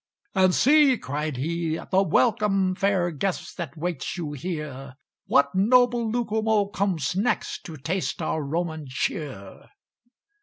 "And see," he cried, "the welcome, Fair guests, that waits you here! What noble Lucumo comes next To taste our Roman cheer?"